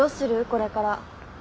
これから。